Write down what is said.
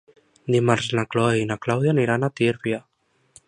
Dimarts na Chloé i na Clàudia aniran a Tírvia.